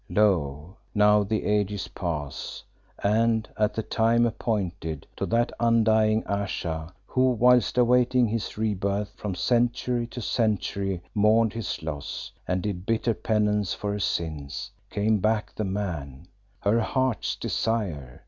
"Lo! now the ages pass, and, at the time appointed, to that undying Ayesha who, whilst awaiting his re birth, from century to century mourned his loss, and did bitter penance for her sins, came back the man, her heart's desire.